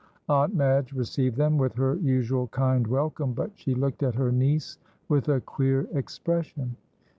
Aunt Madge received them with her usual kind welcome, but she looked at her niece with a queer expression.